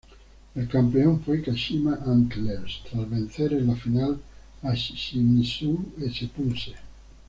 El campeón fue Kashima Antlers, tras vencer en la final a Shimizu S-Pulse.